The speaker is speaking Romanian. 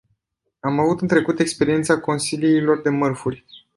Am avut în trecut experiența consiliilor de mărfuri.